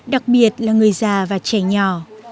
đặc biệt là người già và trẻ nhỏ